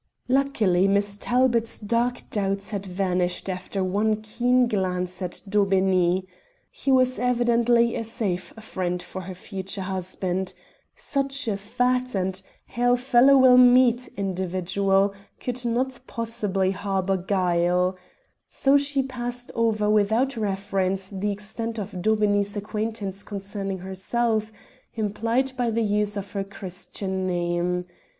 Luckily Miss Talbot's dark doubts had vanished after one keen glance at Daubeney. He was eminently a safe friend for her future husband. Such a fat and hail fellow well met individual could not possibly harbour guile. So she passed over without reference the extent of Daubeney's acquaintance concerning herself, implied by the use of her Christian name.